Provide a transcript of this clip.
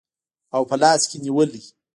او په لاس کې نیولي